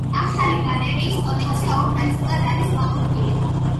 ახალი გალერეის კოლექცია ორ ნაწილად არის გაყოფილი.